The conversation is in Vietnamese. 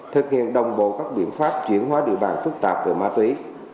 thực hiện đồng bộ các biện pháp chuyển hóa địa bàn phức tạp về ma túy